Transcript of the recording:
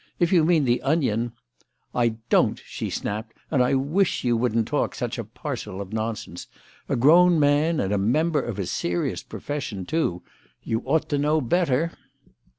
"If you mean the onion " "I don't!" she snapped; "and I wish you wouldn't talk such a parcel of nonsense. A grown man and a member of a serious profession, too! You ought to know better."